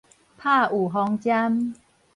拍預防針